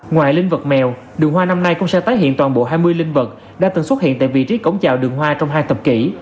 ngoài linh vật mèo đường hoa năm nay cũng sẽ tái hiện toàn bộ hai mươi linh vật đã từng xuất hiện tại vị trí cổng chào đường hoa trong hai thập kỷ